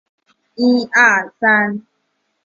私立光华大学成都分部自此结束。